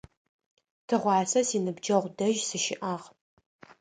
Тыгъуасэ синыбджэгъу дэжь сыщыӏагъ.